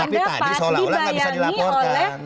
tapi tadi seolah olah nggak bisa dilaporkan